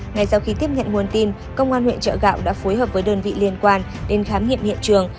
ngay sau khi tiếp nhận nguồn tin công an huyện chợ gạo đã phối hợp với đơn vị liên quan đến khám nghiệm hiện trường